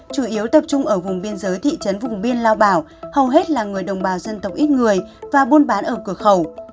chủ yếu tập trung ở vùng biên giới thị trấn vùng biên lao bảo hầu hết là người đồng bào dân tộc ít người và buôn bán ở cửa khẩu